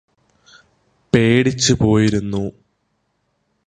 പേടിച്ചുപോയിരുന്നു